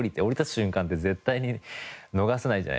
瞬間って絶対に逃せないじゃないですか。